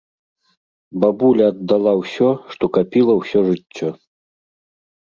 Бабуля аддала ўсё, што капіла ўсё жыццё.